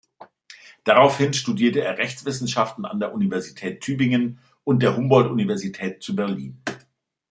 Daraufhin studierte er Rechtswissenschaften an der Universität Tübingen und der Humboldt-Universität zu Berlin.